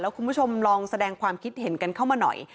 คุณผู้ชมลองแสดงความคิดเห็นกันเข้ามาหน่อย